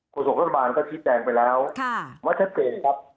กฎศพรัฐบาลก็พิจารณ์แจ้งไปแล้วว่าชัดเจนครับ